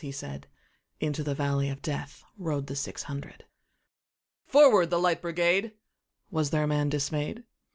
he said:Into the valley of DeathRode the six hundred."Forward, the Light Brigade!"Was there a man dismay'd?